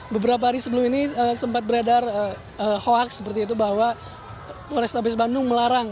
beberapa hari sebelum ini sempat beredar hoax seperti itu bahwa polrestabes bandung melarang